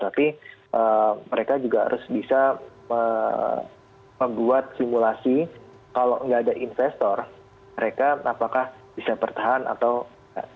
tapi mereka juga harus bisa membuat simulasi kalau nggak ada investor mereka apakah bisa bertahan atau enggak